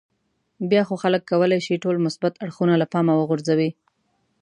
بیا خو خلک کولای شي ټول مثبت اړخونه له پامه وغورځوي.